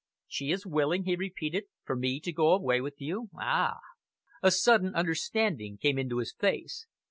"She is willing," he repeated, "for me to go away with you! Ah!" A sudden understanding came into his face.